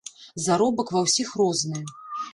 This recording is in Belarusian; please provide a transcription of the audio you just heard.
Заробак ва ўсіх розны.